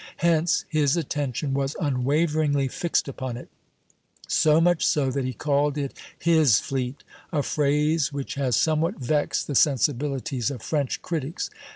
Hence his attention was unwaveringly fixed upon it; so much so that he called it "his fleet," a phrase which has somewhat vexed the sensibilities of French critics.